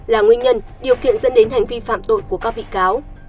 là nguyên nhân điều kiện dẫn đến hành vi phạm tội của các bị cáo